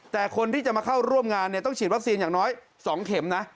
แต่คนที่จะมาเข้าร่วมงานต้องฉีดวัคซีนอย่างน้อย๒เข็มนะ